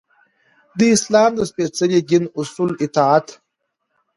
د اسلام د سپیڅلي دین اصولو اطاعت.